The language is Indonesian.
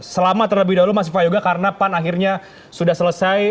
selamat terlebih dahulu mas viva yoga karena pan akhirnya sudah selesai